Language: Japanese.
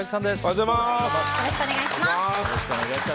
よろしくお願いします。